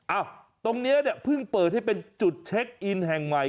อ่ะตรงนี้เนี่ยเพิ่งเปิดให้เป็นจุดเช็คอินแห่งใหม่